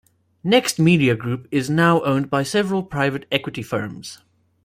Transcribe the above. NextMedia Group is now owned by several private equity firms.